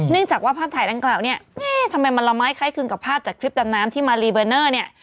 จากว่าภาพถ่ายดังกล่าวเนี่ยแม่ทำไมมันละไม้คล้ายคลึงกับภาพจากคลิปดำน้ำที่มารีเบอร์เนอร์เนี่ย